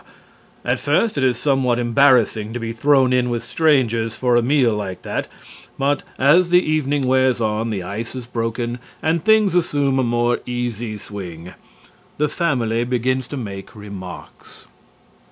At first it is somewhat embarrassing to be thrown in with strangers for a meal like that, but, as the evening wears on, the ice is broken and things assume a more easy swing. The Family begins to make remarks.